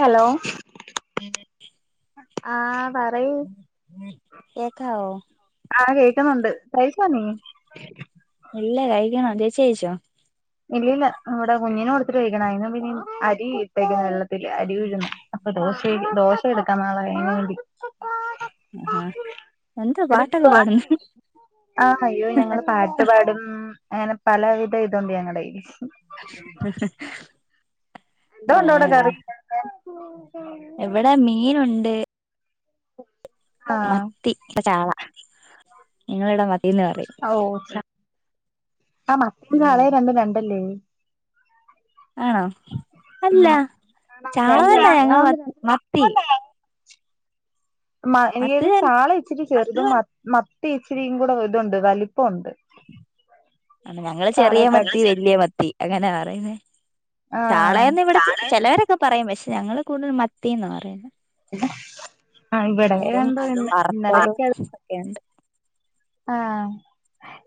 Hello [inaudible] ആഹ് പറയു കേക്കാവോ ആഹ് കേക്കുന്നുണ്ട് പ്രൈസ്പർനീനി ഇല്ല കഴിക്കണം ചേച്ചി കഴിച്ചോ ഇല്ല ഇല്ല നമ്മുടെ കുഞ്ഞിനെ കൊടത്തി് വിക്കണായിരുന്നു പിന്നെ അരി ഇട്ടേക്ക വെള്ളത്തി അരി ഉഴ് അപ്പൊ ദോശ ദോശ എടുക്കാൻ നാളെ അയിന് വേണ്ടി ആഹാ എന്താ പാട്ടൊക്കെ പാടുന്നെ ആ അയ്യോ ഞങ്ങള് പാട് ഇഷ്ടപാടും അങ്ങനെ പലവിധ ഇതുണ്ട് ഞങ്ങളുടെ യില് [unintelligible] എന്തൊണ്ടോവിടെ കറി എവിടെ മീനുണ്ട് ആഹ് മത്തി പ്പ ചാള നിങ്ങളിട മത്തിന്ന് പറയും ഓ ആ ച അ മത്തി യും ഉം ചാളയും രണ്ടും രണ്ടല്ലേ ആണോ? അല്ല ഉം ചാള തന്നെ ഞങ്ങൾ ആന്ന് രണ്ട് മത്തി മ മത്തി എനത് തന്നെ ചാള ഇച്ചിരി ചെറുതുംമ മത്തി ഇച്ചിരിയും കൂടെ ഇതുണ്ട് വലിപ്പ ഉണ്ട് ആണോ ഞങ്ങള് ചെറിയ മത്തി വല്യ മത്തി അങ്ങനാ പറയുന്നേ ആഹ് ചാളയെന്ന് ഇവിടെ ചെ ചെലവരൊക്കെ പറയും. പക്ഷെ ഞങ്ങള് കൂടുതൽ മത്തിന്ന പറയുന്ന ആഹ് ഇവിടെ അതും രണ്ടോ വറത്തതും ഇന്നലെയൊക്കെ ഒക്കെയണ്ട് ആഹ്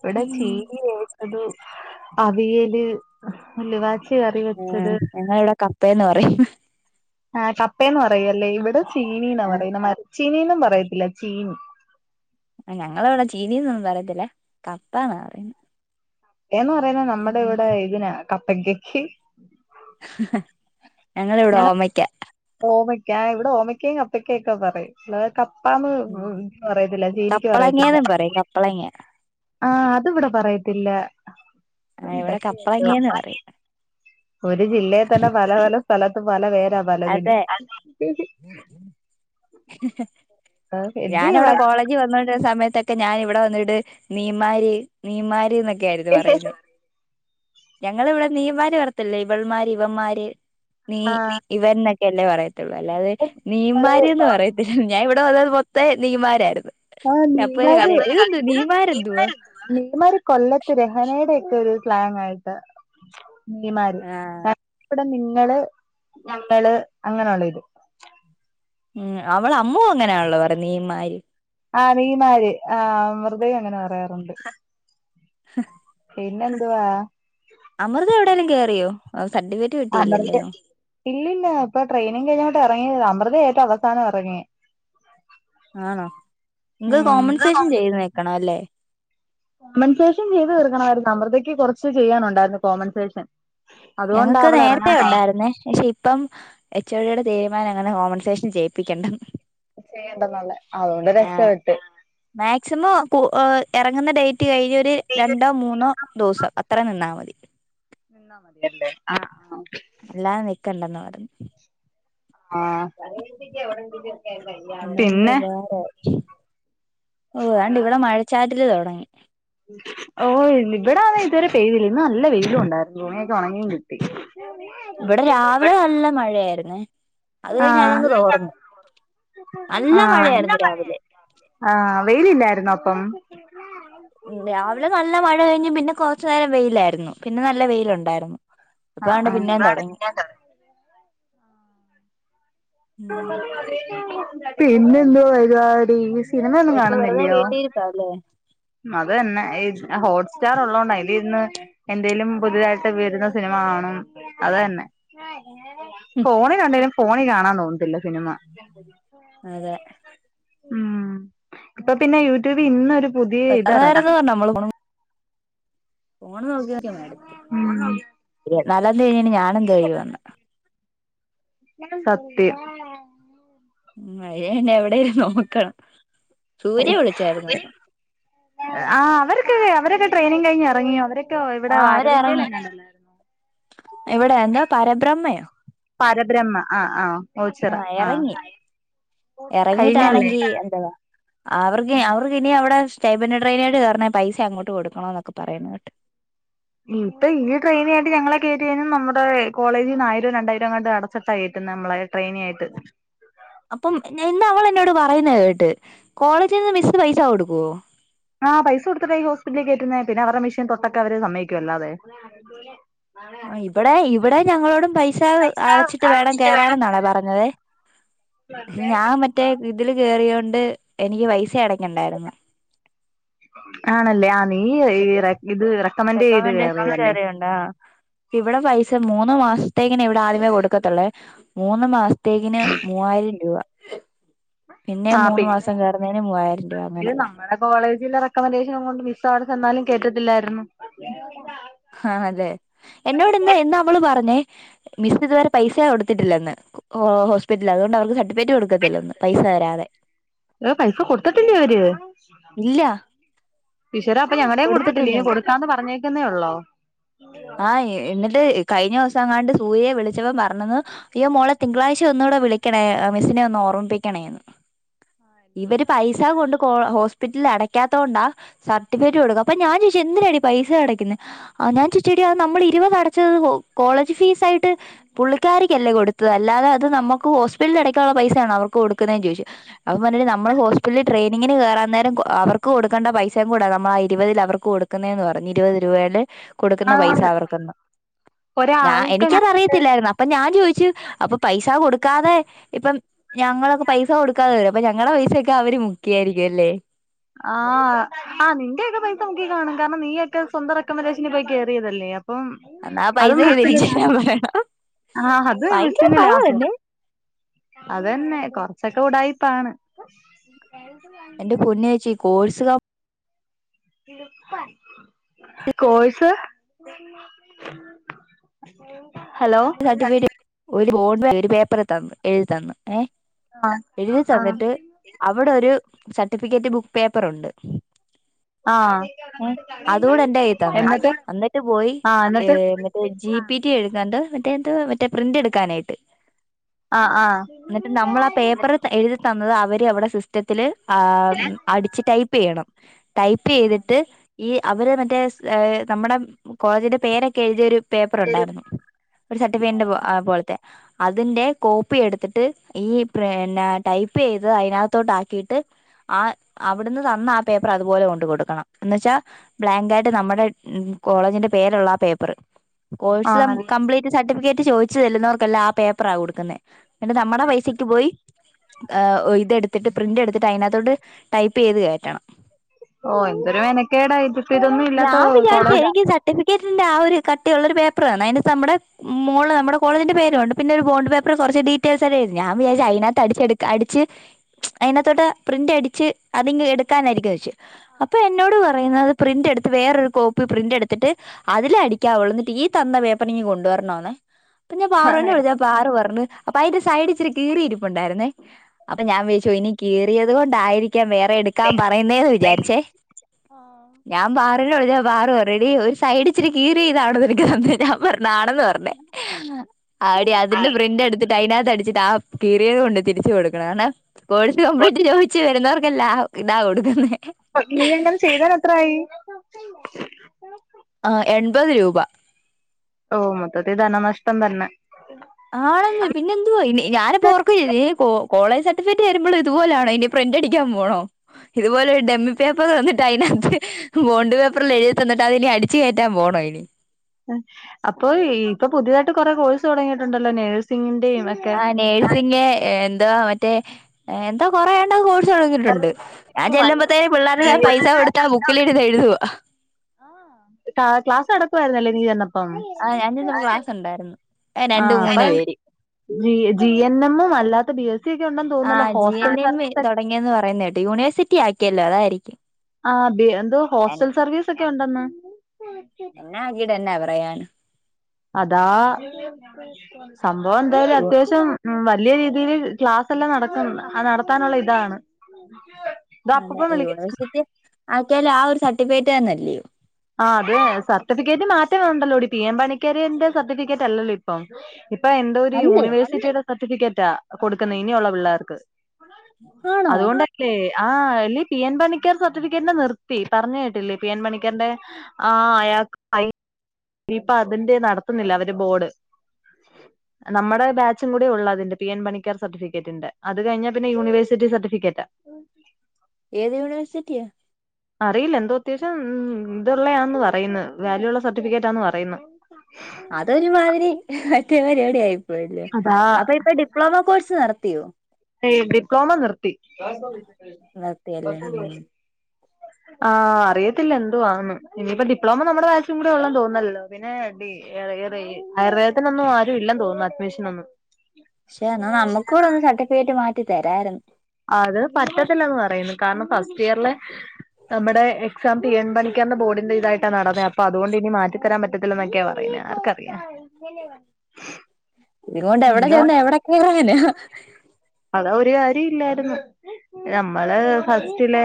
വിടെ ഉം ചീനി വേവി അതു അവിയല്, ഉലുവ ആഹ് ഞങ്ങളിവിടെ കപ്പേന്ന് പറയും ആ കപ്പയന്ന് പറയു അല്ലേ, ഇവിടെ ചീനീന്ന ആ പറയുന്ന, മരച്ചീനീന്നും പറയത്തില്ല ചീനി ഞങ്ങളവിടെ ചീനീന്നൊന്നും പറയത്തില്ല. കപ്പാന്ന പറയുന്നത് ഏന്ന് പറയുന്നത് നമ്മുടെ ഇവിടെ ഇതിനാ, കപ്പയ്ക്ക് ഞങ്ങള ഇവിടെ ഓമക്ക ഓമയ്ക്ക ഏ ഇവിടെ ഓമയ്ക്കയും കപ്പക്കെയൊക്കെ പറയും കപ്പാന്ന് ഉം പറയത്തില്ല. ചീനിക്ക് പറയത്തില്ല പ്പളങ്ങ ആഹ്, അത് വിടെ പറയത്തില്ല. ആ ഇവിടെ എന്തൊക്കേയാലും കപ്പളങ്ങേന്ന് പറയും ഒരു ജില്ലേ തന്നെ പല പല സ്ഥലത്തും പല പേരാ പലതിന്, അതെ ആഹ് എന്തെയ്യുവാ ഇയ്യ് വന്നുടനെ സമയത്തൊക്കെ ഞൻ ഇവിടെ വന്നിട്ട് നീമാരി നീമാരിക് ക്കായിരുന്നു പറയുന്നെ, ഞങ്ങളിവിടെ നീ മാര് പറത്തല്ല, ഇവൾമാര് ഇവന്മാര് നീ ആഹ് ഇവൻ ന്നൊക്കെയല്ലേ പറയത്തൊള്ളൂ, അല്ലാതെ നിങ്ങള് നീമാര് ന്ന് പറയ ട്ട് ഞാൻ ഞാൻ ഇവിടെ വന്നന്ന് മൊത്തം നീമാരായിരുന്നു ആഹ് അപ്പൂന് കളിയാക്കും ഇതെന്തുവാ നീമാര് നീമാരെന്തുവാ നീമാര് കൊല്ലത്ത് രഹനയുടെ ഒക്കെ ഒരു സ്ലാങ്ങായിട്ട് നീമാര് ആ ഇടെ നിങ്ങള് ഞങ്ങള് അങ്ങനെഒള്ള ഇത് ഉം അവളമ്മൂ അങ്ങനാണള്ളോ പറ നീമാര് ആനീ മാര് ആഹ് അമൃതയും അങ്ങനെ പറയാറുണ്ട് ഹ പിന്നെന്തുവാ അമൃത എവിടേലും കേറിയോ, അതോ സർട്ടിഫിക്കറ്റ് അമൃത കിട്ടിയില്ലല്ലയോ ഇല്ലില്ല, പ്പൊ ട്രെയിനിങ് കഴിഞ്ഞോട്ട് ഇറങ്ങിയെ ഒള്ളു, അമൃതയ ഏറ്റും അവസാനം ഇറങ്ങിയെ ആണോ നിങ്ക് ഉം കോമൻസേഷൻ ചെയ്ത് നിക്കണ അല്ലേ കോമൻസേഷൻ ചെയ്തു തീർക്കണമായിരുന്നു. അമൃതയ്ക്ക് കുറച്ച് ചെയ്യാനുണ്ടായിരുന്നു കോമൻസേഷൻ ഞങ്ങക്ക് നേരത്തെ ഉണ്ടായിരുന്നേ.. പക്ഷെ ഇപ്പം എച്ച് ഒ ഡി യുടെ തീരുമാനം അങ്ങനെ കോമ്മൻസേഷൻ ചെയ്യിപ്പിക്കണ്ടന്ന് ചെയ്യണ്ടന്നുള്ളെ. അതുകൊണ്ട് രക്ഷപ്പെട്ട്. മേക്സിമം കു എ റങ്ങുന്ന ഡേറ്റ് കഴിഞ്ഞൊര് രണ്ടോ മൂന്നോ. ട്ടൂസം അത്ര നിന്നാ മതി. [unintelligible] ആഹ് അല്ലാതെ നിക്കണ്ടന്ന് പർഞ്ഞു. ആഹ് [unintelligible] അതോണ്ട് വേറെ ഓഹ് അണ്ട് ഇവിടെ മഴച്ചാറ്റല് തൊടങ്ങി. ഓഹ് ഇവിടാന്ന് ഇതുവരെ പെയ്തില്ല. ഇന്ന് നല്ല വെയിലും ഉണ്ടായ്രുന്നു. തുണിയൊക്കെ ഒണങ്ങിം കിട്ടി. വടെ രാവിലെ നല്ല മഴയായ്ര്ന്നെ. അത് കഴിഞ്ഞ അതങ്ങ് ആഹ് തോർന്നു. നല്ല ആഹ് മഴയായിര്ന്നു രാവിലെ. ആഹ് വെയിലില്ലായിര്ന്നോ അപ്പം ഉം രാവിലെ നല്ല മഴ കഴിഞ്ഞ് പിന്നെ കൊറച്ച് നേരം വെയിലായിര്ന്നു. പിന്നെ നല്ല വെയിലുണ്ടായിര്ന്നു. ആഹ് പ്പാണ്ടേ ആഹ് പിന്നേം തൊടങ്ങി. ഉം പിന്നെന്തോ പരിപാടി ഈ സിനിമയൊന്നും കാണുന്നില്ലയോ? തലേ അതന്നെ ഹോട്ട് സ്റ്റാർ ഉള്ളോണ്ട അയിലിരുന്ന്. എന്തേലും പുതുതായിട്ട് വരുന്ന സിനിമ കാണും അതന്നെ. ഫോണി കണ്ടേരം ഫോണിൽ കാണാൻ തോന്നത്തില്ല സിനിമ. അതെ. ഉം ഇപ്പൊ പിന്നെ യൂട്യൂബി ഇന്നൊരു പുതിയ എത്ര നേരംന്ന് ഇതറങ്ങി.. നമ്മള് പോണം ഫോണ് നോക്കി നോക്കി മടുത്ത് ഉം ഇരുവത്ത് നാലാന്തി കഴിഞ്ഞാ ഞാനെന്ത് ചെയ്യുവോന്നാ സത്യം. ഉം മയെഞ്ഞാ എവിടെലും നോക്കണം. സൂര്യ വിളിച്ചായിരുന്നു. ആ അവരൊക്കെ അവരൊക്കെ ട്രെയിനിങ് കഴിഞ്ഞ് എറങ്ങിയോ അവരൊക്കെ ഇവിടെ ആഹ് അരവിന്തയിൽ അവരെറങ്ങി എങ്ങാണ്ടൊൻ ഇവിടെ എന്താ പരബ്രഹ്മയോ പരബ്രഹ്മ ആഹ് ആഹ്. ആഹ് എറങ്ങി കഴിഞ്ഞല്ലേ എറങ്ങിട്ടാണെങ്കി എന്തവാ. അവർക്ക് അവർക്ക് ഇനി അവിടെ സ്റ്റേബൻട്രയിനായിട്ട് കേർണെങ്കി പൈസ അങ്ങോട്ട് കൊടുക്കണന്നൊക്കെ പറയുന്ന കേട്ട്. ഇപ്പൊ ഈ ട്രെയിനിയായിട്ട് ഞങ്ങളെ കേറ്റിയേനും നമ്മുടെ കോളേജിന്ന് ആയിരം രണ്ടായിരം എങ്ങാണ്ട് അടച്ചിട്ടാ കേറ്റുന്നെ നമ്മളെ. ട്രെയിനിയായിട്ട്. അപ്പം ഞാൻ ഇന്ന് അവൾ എന്നോട് പറയുന്ന കേട്ട് കോളേജ് നിന്ന് മിസ്സ് പൈസ കൊടുക്കുവോ? ആഹ് പൈസ കൊട്ത്തിട്ടാ ഈ ഹോസ്പിറ്റലിൽ കേറ്റുന്നേ. പിന്നെ അവരുടെ മിഷ്യൻ തൊട്ടൊക്കെ അവരെ സമ്മയ്ക്കുവല്ലാതെ. ആഹ് ഇബടെ ഇവടെ ഞങ്ങളോടും പൈസ അടച്ചിട്ട് വേണം കേറാൻ എന്നാണേ പറഞ്ഞത്. ഞാൻ മറ്റേ ഇതില് കേറിയോണ്ട് എനിക്ക് പൈസ അടയ്ക്കണ്ടായിരുന്നു. ആണല്ലേ അ നീ മറ്റേ ഇത് റെക്കമെന്ഡ് ചെയ്ത് റെക്കമെൻഡേഷന് കേറിയതല്ലെ. ഷേ മൂന്ന് മാസ്ത്തേക്കിന് ഇവിടെ ആദ്യമേ കൊടുക്കത്തുള്ളേ. മൂന്ന് മാസ്ത്തേക്കിന് മൂവായിരം രൂവ. പിന്നെ മൂന്ന് മാസം കേറുന്നേന് മൂവായിരം രൂപ ഇത് അങ്ങനെ. നമ്മടെ കോളേജിലെ റെക്കമെന്റേഷനും കൊണ്ട് മിസ് ആര് ചെന്നാലും കേറ്റത്തില്ലായ്രുന്നു. ആണല്ലേ എന്നോട് ഇന്ന് ഇന്ന് അവൾ പറഞ്ഞ് മിസ്സ് ഇതുവരെ പൈസ കൊടുത്തിട്ടില്ല ന്ന് ഹോസ്പിറ്റിൽ അതുകൊണ്ട് അവൾക്ക് സർട്ടിഫിക്കറ്റ് കൊടുക്ക ക്കത്തില്ലെന്ന് പൈസ തരാതെ. ഏഹ് പൈസ കൊടുത്ത്ട്ടില്ലെ അവര്. ഇല്ല ഈശ്വരാ അപ്പൊ ഞങ്ങടേയും കൊടുത്തിട്ടില്ലേ. ഇനി കൊടുത്തിട്ടില്ലന്ന് കൊടുക്കാന്ന് പറഞ്ഞേക്കുന്നേ ഉള്ളോ? ആഹ് എന്നിട്ട് കഴിഞ്ഞോസം അങ്ങാണ്ട് സൂര്യെ വിളിച്ചപ്പം പറഞ്ഞന്ന്. അയ്യോ മോളെ തിങ്കളാഴ്ച്ച ഒന്നൂടെ വിളിക്കണേ മിസ്സിനെ ഒന്ന് ഓർമ്മിപ്പിക്കണേന്ന്. ആഹ് ഇവര് പൈസ കൊണ്ട് ഹോസ്പിറ്റലിൽ അടക്കാത്തോണ്ടാ സർട്ടിഫിക്കറ്റ് കൊടുക്കും അപ്പൊ ഞാൻ ചോയ്ച്ച എന്തിനാടി പൈസ അടക്കുന്നേ ഞാൻ ചോ റ്റെടിയ നമ്മള് ഇരുവത് അടച്ചത് കോ കോളേജ് ഫീസായിട്ട് പുള്ളിക്കാരിക്ക്യല്ലേ കൊടുത്തത് അല്ലാതെ അത് നമ്മക്ക് ഹോസ്പിറ്റല് അടയ്ക്കാന്ള്ള പൈസയാണോ അവർക്ക് കൊടുക്ക്ന്നേ ചോയിച്ച് അത് പറ്ഞ്ഞിണ് നമ്മള് ഹോസ്പിറ്റല് ട്രെയിനിങ്ങിന് കേറാനേരം കൊ അവർ ക്ക് കൊട്ക്കേണ്ട പൈസയും കൂടെ നമ്മള് ആ ഇരുവതില് അവർക്ക് കൊടുക്ക്ന്നേന്ന് പറഞ്ഞ് ഇരുപത് രൂപായില് കൊടുക്ക്ന്ന പൈസ ആന്ന് അവർക്കെന്ന് ഞാ ഒരാൾക്ക് എനിക്കത് അറിയത്തില്ലായിരുന്നു അ ഇപ്പം ഞാൻ ചോയിച്ചു അപ്പൊ പൈസാ കൊടുക്കാതെ ഇപ്പം ഞങ്ങളൊക്കെ പൈസ കൊടുക്കാതെ വരും അപ്പൊ ഞങ്ങളുടെ പൈസൊക്കെ അവര് മുക്കിയായിരിക്കും അല്ലേ ആഹ് ആഹ് നിന്റെയൊക്കെ പൈസ മുക്കി കാണും കാരണം നീയൊക്കെ സ്വന്തം റെക്കമെന്റേഷനി പോയി കേറിയതല്ലേ അപ്പം എന്നാ ആ അത് പൈസ തിരിച്ച് [unintelligible] തരാൻ പറയണം ആഹ് അത് ഭയങ്കര മിസ്സിന് തൊള ലാഭോ തന്നെ അതന്നെ കൊറ്ച്ചൊക്കെ ഉടായ്പ്പാണ് എന്റെ പൊന്നേച്ചി കോഴ്സിലോ കോഴ്സ് ഹലോ സർട്ടിഫൈറ്റ് ഒര് [unintelligible] ഒരു പേപ്പർ തന്ന് എഴുതി തന്ന് ഏഹ് ആഹ് എഴുതി ആഹ് തന്നിട്ട് അവടൊരു സർട്ടിഫിക്കറ്റ് ബു പേപ്പറുണ്ട് ആഹ് ഏഹ് അതൂടെ എന്റെ കൈയി തന്ന് എന്നിട്ട് അന്ന്ട്ട് പോയി ആഹ് എന്നിട്ട് ഏഹ് [unintelligible] പോയ് ജി ആഹ് പി ടി എടുത്താണ്ട് മറ്റേ എത്തോ മറ്റേ പ്രിന്റ് എടുക്കാനായിട്ട് ആഹ് ആഹ് ഇന്ന്ട്ട് നമ്മള് ആ പേപ്പർ ത എഴുതി തന്നത് അവര് അവടെ സിസ് റ്റത്തില് ആഹ് ഉം അടിച്ച് ടൈപ്പെയ്യണം ടൈപ്പെയ്തിട്ട് ഈ അവര് മറ്റേ സ് ഏഹ് നമ്മടെ ഉം കോളേജിന്റെ പേരൊക്കെ എഴുതിയൊരു പേപ്പർ ഇണ്ടാരുന്നു സർട്ടിഫിക്കറ്റിന്റെ പോ ആഹ് പോല്ത്തെ അതിന്റെ കോപ്പി എട്ത്തിട്ട് ഈ പ്രെ പിന്നാ ടൈപ്പെയ്ത് അയിനാത്തോട്ടാക്കിയിട്ട് ആഹ് അവ്ട്ന്ന് തന്ന ആ പേപ്പർ അതുപോലെ കൊണ്ട് കൊടുക്കണം എന്നച്ചാൽ ബ്ലാങ്കായിട്ട് നമ്മടെ ഉം കോളേജ്ന്റെ പേര്ള്ള ആ പേപ്പറ് കോഴ്സ് ആഹ് ഉം ആണല്ലേ കംപ്ലീറ്റ് സർട്ടിഫിക്കേറ്റ് ചോയ്ച്ച് ചെല്ലുന്നോര്ക്കെല്ലാം ആ പേപ്പറാ കൊടുക്ക്ന്നെ എന്ന്ട്ട് അമ്മടെ പൈസക്ക്യ് പോയി ഏഹ് ഓഹ് ഇതെട്ത്തിട്ട് പ്രിന്റെടുത്തിട്ട് അയിനാത്തോട്ട് ടൈപ്പെയ്ത് കേറ്റണം ഓഹ് എന്തൊരു മെനക്കേടാ ഇതി ഇപ്പിതൊന്നും ഇല്ലാത്തോ കൊളേജാ എഡ്യൂക്കേറ്ററ്ന്റെ ആ ഒരു കട്ടിയുള്ളൊരു പേപ്പറ് തന്നെ അയിനാത്ത് നമ്മടെ മോള് അമ്മടെ കോളേജ്ന്റെ പേരു ഉണ്ട് പിന്നെ ഒരു ബോണ്ട് പേപ്പറ്ല് കൊറച്ച് ഡീറ്റെൽസെല്ലാം എഴുതി ഞാൻ വിയാരിച്ചു അയിനാത്ത് അടിച്ചെടുക്ക അടിച്ച് അയിനാത്തോട്ട് പ്രിന്റടിച്ച് അതിങ്ങ് എട്ക്കാനായിരിക്കും വിരാച്ച് അപ്പൊ എന്നോട് പറയുന്നത് പ്രിന്റെടുത്ത് വേറൊരു കോപ്പി പ്രിന്റെടുത്തിട്ട് അതില് അടിക്ക്യാവുള്ളു ഇന്ന്ട്ട് ഈ തന്ന പേപ്പറിങ്ങ് കൊണ്ടുവര ണന്നെ അപ്പൊ ഞാൻ പാറൂനെ വിളിച്ചപ്പം പാറു പറ്ഞ്ഞ് അപ്പൊ അയിത്തിരി സൈഡ്ച്ചിരി കീറി ഇരിപ്പുണ്ടായിര്ന്നേ അപ്പൊ ഞാൻ വിയാച്ചു ഇനി കീറിയത് കൊണ്ടായിരിക്കാം വേറെ എട് ക്കാൻ പറയുന്നേന്ന് വിചാരിച്ചേ ഞാൻ പാറൂനെ വിളിച്ചപ്പം പാറു പറിയാ എടീ ഒരു സൈഡ് ഇച്ചിരി കീറിയതാണോ നിനക്ക് തന്നേ ഞാൻ പറഞ്ഞു ആണെന്ന് പറ ഞ്ഞെ ആഹ് ടീ അതിന്റെ പ്രിന്റെടുത്തിട്ട് അയിനാത്ത് അടിച്ചിട്ട് ആ കീറിയത് കൊണ്ട് തിരിച്ചു കൊടുക്കണം കാരണം കോഴ്സ് കംപ്ലീറ്റ് ചോയിച്ച് വെരുന്നോർക്കെല്ലാം ക്ക്നാ കൊടുക്കുന്നെ [unintelligible] നീ അങ്ങനെ ചെയ്തത് എത്രായായി ആഹ് എൺപത് രൂപ ഓഹ് മൊത്തത്തി ധനനഷ്ടം തന്നെ ആണെന്ന് പിന്നെ എന്തുവാ ഇനി ഞാനപ്പോ ഓർക്കേം ചെയ്ത് ഏഹ് കോ കോളേജ് സർട്ടിഫിക്കറ്റ് തരുമ്പളും ഇതുപോലാണോ ഇനി പ്രിന്റടിക്കാൻ പോണോ ഇതുപോലെ ഡെമ്മി പേപ്പർ തന്ന്ട്ട് അയിനാത്ത് ബോണ്ട് പേപ്പറ്ല് എഴുതി തന്ന്ട്ട് അത് ഇനി അടിച്ച് കേറ്റാൻ പോണോയിനി ഏഹ് അപ്പൊ ഈ ഇപ്പൊ പുതിയതായിട്ട് കൊറേ കോഴ്സ് തൊടങ്ങീട്ട്ണ്ടല്ലോ നേഴ്സിങ്ങിന്റെയും ഒക്കെ ആഹ് നേഴ്സിങ് ഏഹ് എന്തോ മറ്റേ എന്തോ കൊറേ കോഴിസ്തുടങ്ങിട്ടുണ്ട് ഞാൻ ചെല്ലുമ്പത്തേും പിള്ളേരെല്ലാം പൈസ കൊടുത്താ ബുക്കിൽ എടുത്ത് എഴുതുവ ക്ലാസ് നടക്കുവായിരുന്നല്ലേ നീ വന്നപം ആ ഞാൻ ചെന്നപ്പോ ക്ലാസ് ഉണ്ടായിരുന്നു രണ്ട് ആഹ് മൂന്ന് അഇപം പേര് ജി ജി എൻ എംമും അല്ലാത്ത ബി എസ് ഉണ്ടന്തോ ആ ജി എൻ എം തുടങ്ങിയന്ന് പറയുന്ന കേട്ട് യൂണിവേഴ്സിറ്റി ആക്കിയല്ലോ അതായിരിക്കും ആ എന്തോ ഹോസ്റ്റൽ സർവീസ് ഒക്കെ ഉണ്ടന്ന് ഞാഗീടെന്നെ പറയാണ് അതാ സംഭവം എന്തായാലും അത്യാവശ്യം ഉം വല്ല്യ രീതീല് ക്ലാസെല്ലാം നടക്കും അത് നടത്താനുള്ള ഇതാണ് ഇത് അതെ അപ്പപ്പം ഏഹ് വിളിക്ക യൂണിവേഴ്സിറ്റി ആക്കിയാല് ആ ഒരു സർട്ടിഫിക്കറ്റ് തന്നല്ലേ ആ അതെ സർട്ടിഫിക്കറ്റ് മാറ്റം ഉണ്ടല്ലോ ഇടി പി എം പണിക്കരന്റെ സർട്ടിഫിക്കറ്റ് അല്ലല്ലോ ഇപ്പൊ ഇപ്പൊ എന്ത ഒരു അല്ലേ യൂണിവേഴ്സിറ്റിയുടെ സർട്ടിഫിക്കറ്റാ കൊടുക്കുന്നത് ഇനിയുള്ള പിള്ളേർക്ക്. ആണോ അതുകൊണ്ട ല്ലേ ആ എല്ല പി എൻ പണിക്കർ സർട്ടിഫിക്കറ്റ്ന്റെ നിർത്തി പറഞ്ഞ കേട്ടില്ലേ പി എൻ പണിക്കറിന്റെ ആഹ് അയാക് പൈ ഇപ്പ അതിന്റെ നടത്തുന്നില്ല അവര് ബോർഡ്. നമ്മുടെ ബാച്ചും കൂടെ ഉള്ളത്ണ്ട് പി എൻ പണിക്കാർട്ടിഫിക്കറ്റ് ഉണ്ട് അത് കഴിഞ്ഞാ പിന്നെ യൂണിവേഴ്സിറ്റി സർട്ടിഫിക്കറ്റാ ഏത് യൂണിവേഴ്സിറ്റിയാ അറിയില്ല എന്തോ അത്യാവശ്യം ഉ ഇതുള്ളതാന്ന് പറയുന്നു വാല്യൂള്ള സർട്ടിഫിക്കറ്റ്ന്ന് പറയുന്നു. ഉ അതൊരുമാതിരി മറ്റേ പരിപടി ആയിപ്പോയില്ലേ അതാ അപ്പൊ ഇപ്പ ഡിപ്ലോമ കോഴ്സ് നടത്തിയോ ഏ ഡിപ്ലോമ നിർത്തി നിർത്തിയല്ലേ ഉം ആഹ് അറിയത്തില്ല എന്തുവാന്ന് ഇനിയിപ്പോ ഡിപ്ലോമ നമ്മുടെ ബാച്ചും കൂടെ ഉള്ളതന്ന് തോന്നല്ലോ പിന്നെ ടി അ ഏറെ ആയുർവേദത്തിനൊന്നും ആരും ഇല്ല തോന്നുന്നു അഡ്മിഷനൊന്നും പക്ഷെ എന്നാ നമ്മുക്ക കൂടെ ഒന്ന് സർട്ടിഫിക്കറ്റ് മാറ്റി തരയിരുന്നു. അത് പറ്റത്തില്ലന്ന് പറയുന്നു കാരണം ഫസ്റ്റ് ഇയറില് നമ്മുടെ എക്സാം തീ എൺ പണിക്കുന്ന ബോർഡിന്റെ ഇതായിട്ടാണ് നടന്നത് അപ്പൊ അതുകൊണ്ട് ഇനി മാറ്റി എത്തരാൻ പറ്റത്തില്ലന്നൊക്കെയാ പറയുന്നേ ആർക്കറിയാം. [unintelligible] ഇത് കൊണ്ട് എവിടെ എന്തോ ചെന്ന് എവിടെൊക്കെ ഇറാന് അതാ ഒരു കാര്യം ഇല്ലായിരുന്നു. നമ്മള് ഫസ്റ്റില്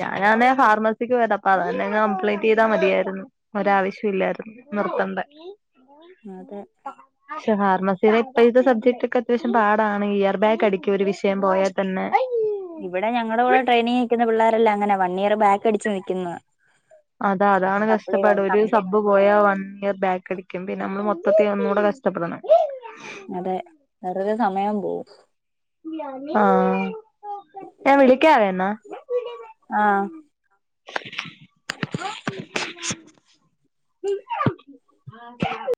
ഞാനാന്നേ ഫാർമസിക്ക് വര അപ്പ അതന്നെ കംപ്ലയിന് തീതാ മതിയായിരുന്നു ഒരാവശ്യം ഇല്ലായിരുന്നു നിർത്തണ്ട അതെ ഷഹർമസ് ച ഇപ്പ ഇത്തെ സബ്ജക്റ്റ് ഒക്കെ അത്യാവശം പാടാണ് ഇയർ ബാക്ക് അടിക്കും ഒരു വിഷയം പോയാൽ തന്നെ ഇവിടെ ഞങ്ങളുടെ കൂടെ ട്രെയിനിങ് നിൽക്കുന്ന പിള്ളോരല്ല അങ്ങനെ വൺ ഇയർ ബാക്ക് അടിച്ചു നിൽക്കുന്നത് അതാ അതാണ് കഷ്ടാപാട് ഒരു ബ് പോയ വൺ ഇയർ ബാക്ക് അടിക്കും പിന്നെ നമ്മള് മൊത്തത്തി ഒന്ന് കൂടെ കഷ്ടപ്പെടണം. അതെ വെറുതൊ സമയം പോകവും ആഹ് വളിക്കവോന ആഹ് എ [unintelligible] [inaudible]